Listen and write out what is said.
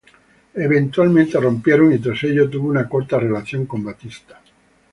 Eventualmente rompieron, y tras ello tuvo una corta relación con Batista.